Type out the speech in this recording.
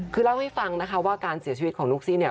คือเล่าให้ฟังนะคะว่าการเสียชีวิตของนุ๊กซี่เนี่ย